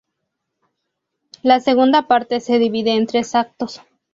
La segunda parte se divide en tres actos.